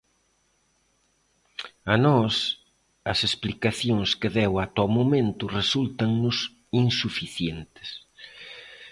A nós, as explicacións que deu ata o momento resúltannos insuficientes.